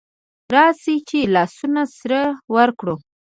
راسئ چي لاسونه سره ورکړو